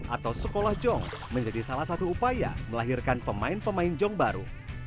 atau sekolah jong menjadi salah satu upaya melahirkan pemain pemain jong baru